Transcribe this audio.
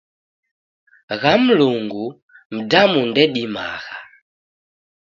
Gha Mlungu mdamu ndedimagha